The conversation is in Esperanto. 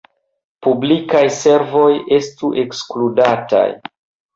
Publikaj servoj estu ekskludataj.